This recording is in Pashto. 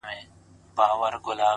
هغې ويل ته خو ضرر نه دی په کار”